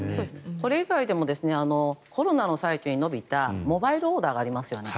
これ以外でもコロナの際に伸びたモバイルオーダーがありますよね。